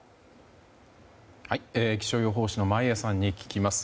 気象予報士の眞家さんに聞きます。